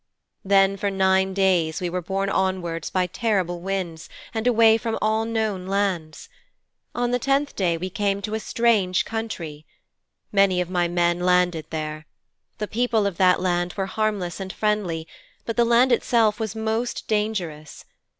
'Then for nine days we were borne onward by terrible winds, and away from all known lands. On the tenth day we came to a strange country. Many of my men landed there. The people of that land were harmless and friendly, but the land itself was most dangerous.